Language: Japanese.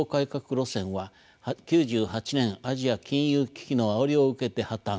路線は９８年アジア金融危機のあおりを受けて破綻。